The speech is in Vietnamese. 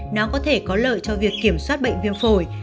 nó có thể có lợi cho việc kiểm soát bệnh viêm phổi